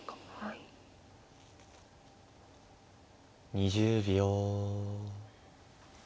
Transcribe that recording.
２０秒。